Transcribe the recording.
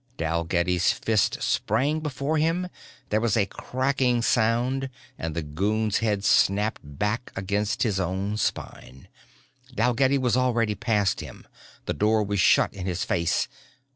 Dalgetty's fist sprang before him, there was a cracking sound and the goon's head snapped back against his own spine. Dalgetty was already past him. The door was shut in his face.